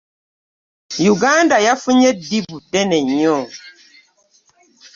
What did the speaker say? Yuganda yafunye eddibu ddene nnyo.